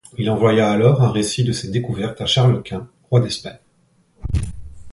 Il envoya alors un récit de cette découverte à Charles Quint, roi d'Espagne.